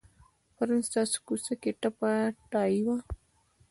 پرون ستاسو کوڅه کې ټپه ټایي وه.